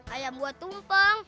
ayam buat tumpeng